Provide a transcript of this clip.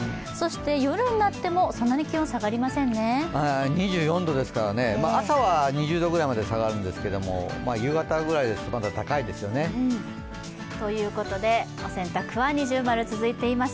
夜になっても、２５度ですからね朝は２０度ぐらいまで下がるんですけれども、夕方ぐらいですと、まだ高いですよね。ということで、お洗濯は◎続いています。